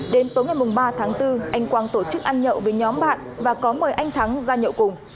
đến tối ngày ba tháng bốn anh quang tổ chức ăn nhậu với nhóm bạn và có mời anh thắng ra nhậu cùng